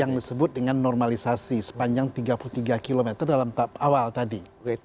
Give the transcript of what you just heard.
yang disebut dengan normalisasi sepanjang tiga puluh tiga km dalam awal tadi